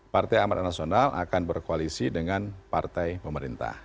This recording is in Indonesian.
partai amarat nasional akan berkoalisi dengan partai pemerintah